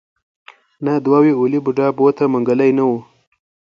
نه دوه وې اولې بوډا بوته منګلی نه و.